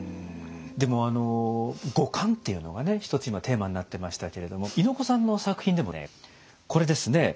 でも五感っていうのがね一つ今テーマになってましたけれども猪子さんの作品でもねこれですね。